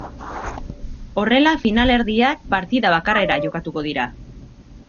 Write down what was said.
Horrela, finalerdiak partida bakarrera jokatuko dira.